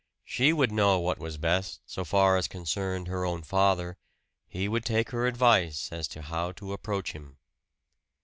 She would know what was best, so far as concerned her own father; he would take her advice as to how to approach him.